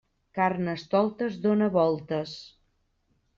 Carnestoltes dóna voltes.